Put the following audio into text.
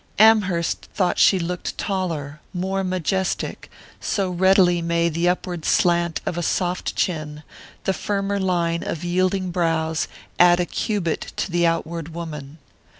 Amherst thought she looked taller, more majestic; so readily may the upward slant of a soft chin, the firmer line of yielding brows, add a cubit to the outward woman.